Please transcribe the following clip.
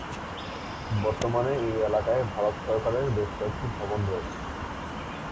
বর্তমানে এই এলাকায় ভারত সরকারের বেশ কয়েকটি ভবন রয়েছে।